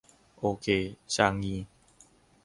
โอเค ชางงี !